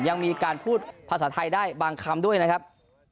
ยังมีการพูดภาษาไทยได้บางคำด้วยนะครับ